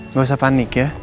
nggak usah panik ya